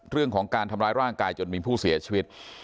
เรื่องของการทำร้ายร่างกายจนมีผู้เสียชีวิต